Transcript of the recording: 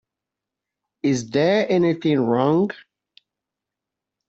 Is there anything wrong?